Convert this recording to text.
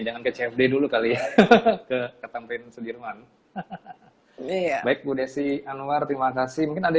jangan ke cfd dulu kali ya ke ke tamrin sudirman baik bu desi anwar terima kasih mungkin ada